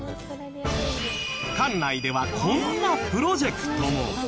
館内ではこんなプロジェクトも。